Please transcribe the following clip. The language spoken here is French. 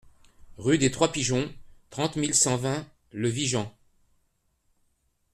Rue des Trois Pigeons, trente mille cent vingt Le Vigan